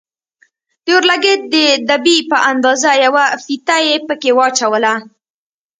د اورلګيت د دبي په اندازه يوه فيته يې پکښې واچوله.